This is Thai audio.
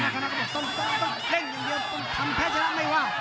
ตอนนั้นคณะก็บอกต้องต้องต้องเต้นอย่างเยอะต้องทำแพ้ชนะไม่ว่า